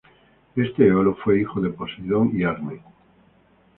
Este Eolo fue hijo de Poseidón y Arne.